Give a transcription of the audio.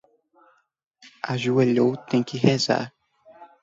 Ajoelhou tem que rezar